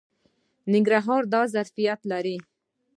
ننګرهار دا ظرفیت لري.